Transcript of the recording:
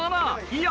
いや。